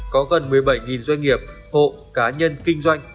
có gần một mươi bảy doanh nghiệp hộ cá nhân kinh doanh